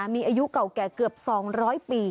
มีอายุเก่าแก่เกือบ๒๐๐ปี